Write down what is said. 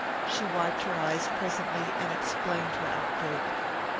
She wiped her eyes presently and explained her outbreak.